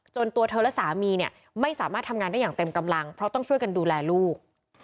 ตัวเธอและสามีเนี่ยไม่สามารถทำงานได้อย่างเต็มกำลังเพราะต้องช่วยกันดูแลลูก